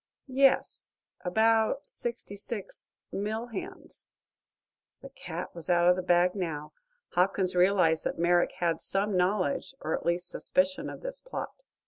"Yes; about sixty six mill hands." The cat was out of the bag now. Hopkins realized that Merrick had some knowledge or at least suspicion of this plot.